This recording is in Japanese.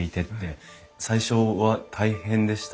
最初は大変でした？